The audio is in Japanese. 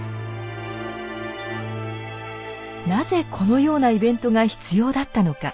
なぜこのようなイベントが必要だったのか。